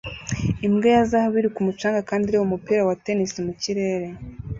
Imbwa ya zahabu iri ku mucanga kandi ireba umupira wa tennis mu kirere